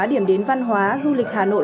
điểm đến văn hóa du lịch hà nội